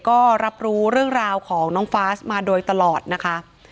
ก็รับรู้เรื่องราวของน้องฟาสมาโดยตลอดนะคะ